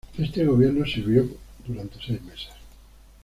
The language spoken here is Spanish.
Este gobierno sirvió por seis meses.